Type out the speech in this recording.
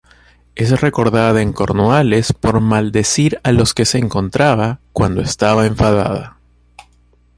Es recordada en Cornualles por maldecir a los que se encontraba cuando estaba enfadada.